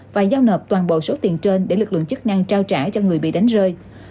và giao nộp toàn bộ số tiền trên để lực lượng chức năng trao trả cho người bị đánh rơi